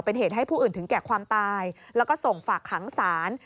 เป็นเหตุให้ผู้อื่นถึงแก่ความตายแล้วก็ส่งฝากขังศาล